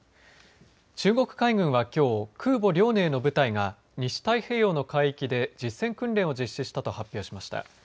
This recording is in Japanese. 中国海軍はきょう空母遼寧の部隊が西太平洋の海域で実践訓練を実施したと発表しました。